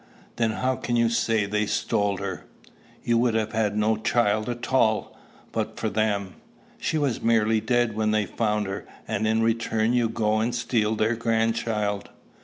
"Then how can you say they stole her? You would have had no child at all, but for them. She was nearly dead when they found her. And in return you go and steal their grandchild!"